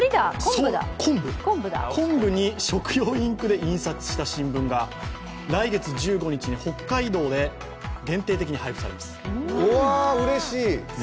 そう、昆布に食用インクで印刷した新聞が来月１５日に北海道で限定的に配布されます。